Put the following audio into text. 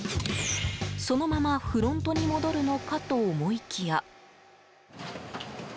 そのままフロントに戻るのかと思いきや。